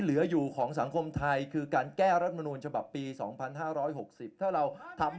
เหลืออยู่ของสังคมไทยคือการแก้รัฐมนูลฉบับปี๒๕๖๐ถ้าเราทำ